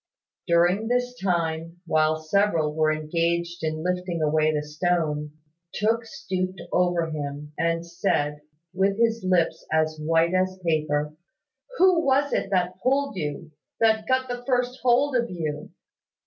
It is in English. During this time, while several were engaged in lifting away the stone, Tooke stooped over him, and said, with his lips as white as paper, "Who was it that pulled you, that got the first hold of you?